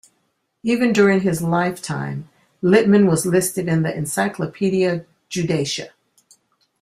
Even during his lifetime, Littmann was listed in the Encyclopaedia Judaica.